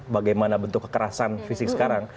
bagaimana bentuk kekerasan fisik sekarang